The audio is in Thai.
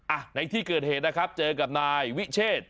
อ่ะในที่เกิดเหตุนะครับเจอกับนายวิเชษ